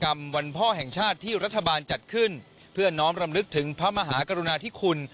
ร่วมรำลึกถึงพระมหากรุณาทิคุณ